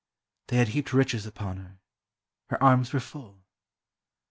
They had heaped riches upon her—her arms were full.